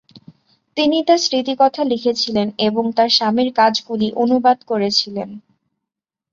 তিনি তার স্মৃতিকথা লিখেছিলেন এবং তার স্বামীর কাজগুলি অনুবাদ করেছিলেন।